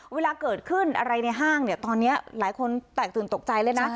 เวลาเกิดขึ้นอะไรในห้างเนี่ยตอนนี้หลายคนแตกตื่นตกใจเลยนะ